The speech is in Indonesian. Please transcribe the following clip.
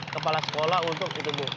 kepala sekolah untuk itu bu